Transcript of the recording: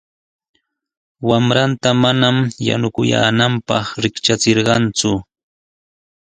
Wamranta maman yanukuyaananpaq riktrachirqan.